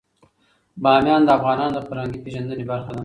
بامیان د افغانانو د فرهنګي پیژندنې برخه ده.